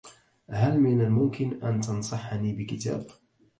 هل من الممكن أن تنصحني بكتاب؟